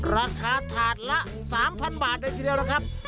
ราคาถาดละ๓๐๐บาทเลยทีเดียวล่ะครับ